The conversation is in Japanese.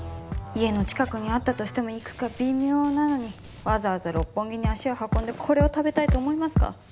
家の近くにあったとしても行くか微妙なのにわざわざ六本木に足を運んでこれを食べたいと思いますか？